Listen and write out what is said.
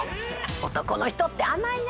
男の人って甘いな。